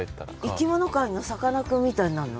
生き物界のさかなクンみたいになんの？